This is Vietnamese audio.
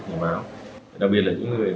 nhà máu đặc biệt là những người